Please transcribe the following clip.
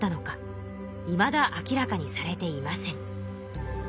いまだ明らかにされていません。